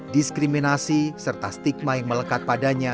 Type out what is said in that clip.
diskriminasi serta stigma yang melekat padanya